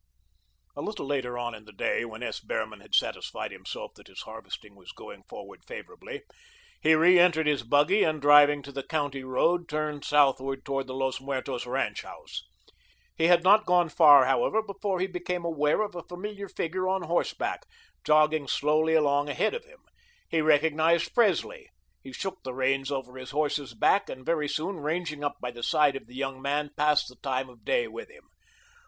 A little later on in the day, when S. Behrman had satisfied himself that his harvesting was going forward favourably, he reentered his buggy and driving to the County Road turned southward towards the Los Muertos ranch house. He had not gone far, however, before he became aware of a familiar figure on horse back, jogging slowly along ahead of him. He recognised Presley; he shook the reins over his horse's back and very soon ranging up by the side of the young man passed the time of day with him.